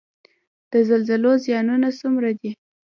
د زلزلو زیانونه څومره دي؟